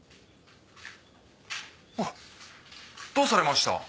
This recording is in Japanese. あっどうされました？